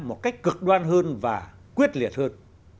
một cách cực đoan hơn và quyết liệt hơn